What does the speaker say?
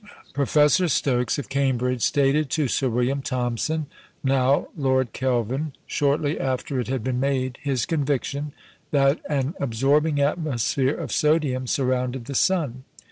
Professor Stokes of Cambridge stated to Sir William Thomson (now Lord Kelvin), shortly after it had been made, his conviction that an absorbing atmosphere of sodium surrounded the sun.